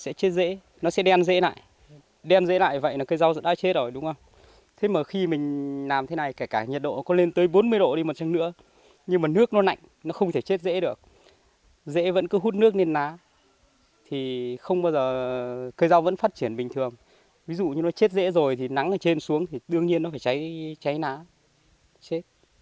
nếu trồng ở dưới đất nó sẽ chết dễ nó sẽ đen dễ lại đen dễ lại vậy là cây rau đã chết rồi đúng không thế mà khi mình làm thế này cả nhiệt độ có lên tới bốn mươi độ đi một chút nữa nhưng mà nước nó nạnh nó không thể chết dễ được dễ vẫn cứ hút nước lên lá thì không bao giờ cây rau vẫn phát triển bình thường ví dụ như nó chết dễ rồi thì nắng ở trên xuống thì đương nhiên nó phải cháy lá chết